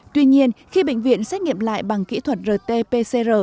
tuy nhiên khi bệnh viện xét nghiệm lại bằng kỹ thuật rt pcr